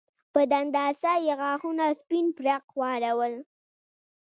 په دنداسه یې غاښونه سپین پړق واړول